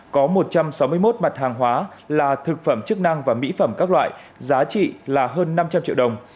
có một trăm sáu mươi một mặt hàng hóa là thực phẩm chức năng và mỹ phẩm các loại giá trị là hơn năm trăm linh triệu đồng